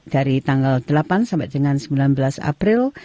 dari tanggal delapan sampai dengan sembilan belas april